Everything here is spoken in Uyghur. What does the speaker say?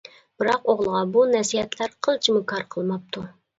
بىراق ئوغلىغا بۇ نەسىھەتلەر قىلچىمۇ كار قىلماپتۇ.